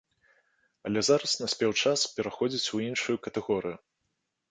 Але зараз наспеў час пераходзіць у іншую катэгорыю.